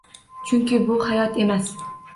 Chunki bu hayot emas.